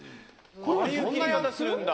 ・ああいう切り方するんだ・・